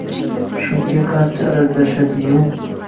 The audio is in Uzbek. Shunga qancha arazlashdi-yu…